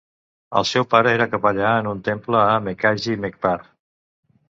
El seu pare era capellà en un temple a Makaji Meghpar.